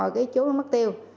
ngồi cái chỗ nó mất tiêu